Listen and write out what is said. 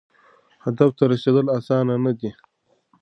هدف ته رسیدل اسانه نه دي.